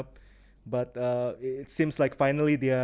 mereka menjadi relevan lagi